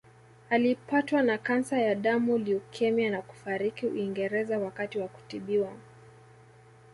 Alipatwa na kansa ya damu leukemia na kufariki Uingereza wakati wa kutibiwa